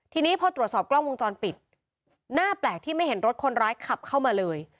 ทีนี้พอตรวจสอบกล้องวงจรปิดหน้าแปลกที่ไม่เห็นรถคนร้ายขับเข้ามาเลย